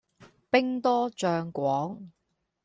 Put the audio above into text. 兵多將廣